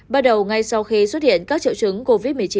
bắt đầu ngay sau khi xuất hiện các triệu chứng covid một mươi chín